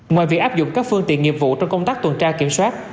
ngoài việc áp dụng các phương tiện nghiệp vụ trong công tác tuần tra kiểm soát